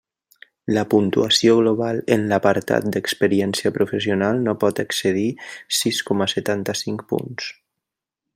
La puntuació global en l'apartat d'experiència professional no pot excedir sis coma setanta-cinc punts.